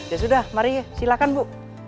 ya sudah mari silakan bu